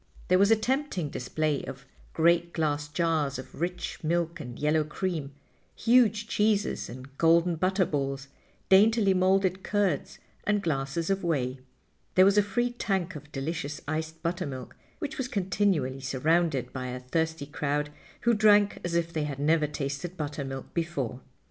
There was a tempting display of great glass jars of rich milk and yellow cream, huge cheeses and golden butter balls, daintily molded curds and glasses of whey. There was a free tank of delicious iced buttermilk, which was continually surrounded by a thirsty crowd who drank as if they had never tasted buttermilk before.